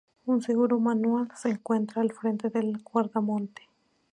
Un seguro manual se encuentra al frente del guardamonte.